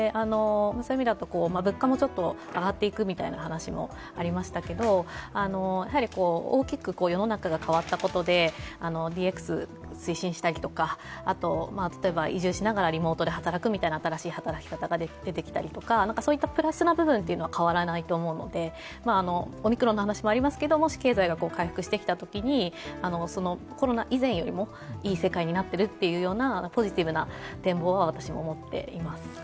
そういう意味だと物価もちょっと上がっていくみたいな話もありましたけど大きく世の中が変わったことでＤＸ推進したりとか移住しながらリモートで働くとか、新しい働き方が出てきたりとかそういったプラスな部分は変わらないと思うのでオミクロンの話もありますけどもし経済が回復してきたときにコロナ以前よりもいい世界になってるっていうようなポジティブな展望は私も持っています。